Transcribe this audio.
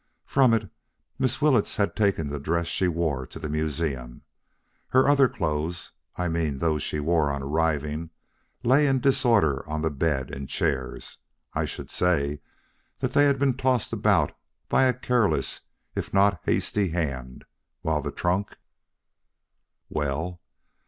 From it Miss Willetts had taken the dress she wore to the museum. Her other clothes I mean those she wore on arriving lay in disorder on the bed and chairs. I should say that they had been tossed about by a careless if not hasty hand, while the trunk " "Well?"